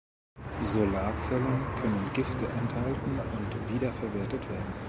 Solarzellen können Gifte enthalten und wiederverwertet werden.